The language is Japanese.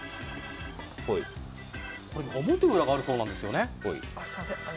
表裏があるそうなんです。